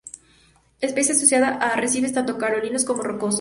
Especie asociada a arrecifes, tanto coralinos, como rocosos.